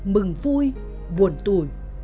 mừng vui buồn tùn